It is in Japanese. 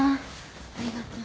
ありがとう。